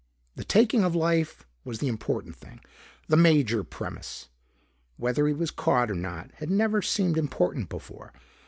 The taking of life was the important thing, the major premise. Whether he was caught or not had never seemed important before.